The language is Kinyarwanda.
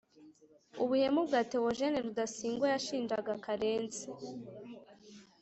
ubuhemu bwa theogène rudasingwa yashinjaga karenzi